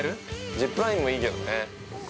◆ジップラインもいいけどね。